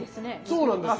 そうなんですよ。